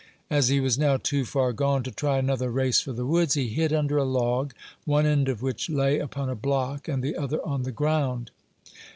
As he was now too far gone to try another race for the woods, he hid under a log, one end of which lay upon a block, and the other on the ground.